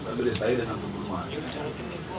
tapi disetelah dengan pembunuhan